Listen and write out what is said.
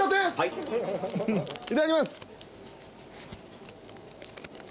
いただきます。